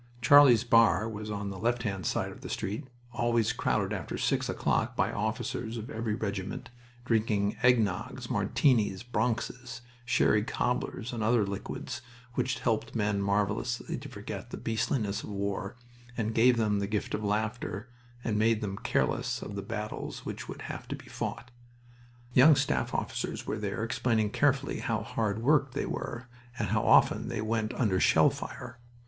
Charlie's bar was on the left hand side of the street, always crowded after six o'clock by officers of every regiment, drinking egg nogs, Martinis, Bronxes, sherry cobblers, and other liquids, which helped men marvelously to forget the beastliness of war, and gave them the gift of laughter, and made them careless of the battles which would have to be fought. Young staff officers were there, explaining carefully how hard worked they were and how often they went under shell fire.